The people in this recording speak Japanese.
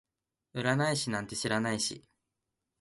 占い師なんて知らないし